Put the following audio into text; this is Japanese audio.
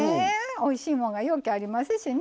おいしいもんがようけありますしね。